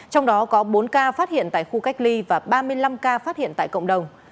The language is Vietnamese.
trong đó có bốn ca phát hiện tại khu cách ly và ba mươi năm ca phát hiện tại khu cách ly